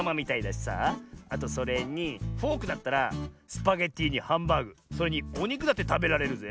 あとそれにフォークだったらスパゲッティにハンバーグそれにおにくだってたべられるぜ。